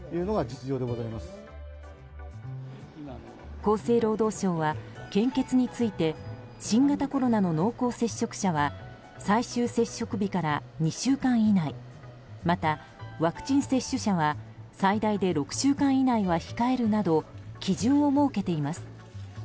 厚生労働省は献血について新型コロナの濃厚接触者は最終接触日から２週間以内またワクチン接種者は最大で６週間以内は控えるなど基準を設けています。